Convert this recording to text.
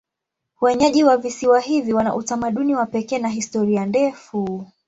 Wenyeji wa visiwa hivi wana utamaduni wa pekee na historia ndefu.